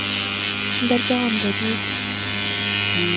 بەردەوام دەبێت